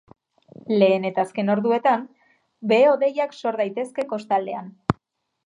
Lehen eta azken orduetan behe-hodeiak sor daitezke kostaldean.